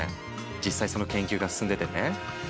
実際その研究が進んでてね。